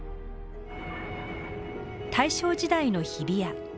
大正時代の日比谷。